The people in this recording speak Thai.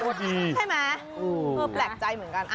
ใช่ไหมคือแปลกใจเหมือนกัน